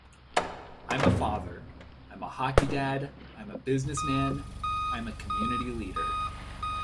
I'm a father, I'm a hockey dad, I'm a businessman, I'm a community leader.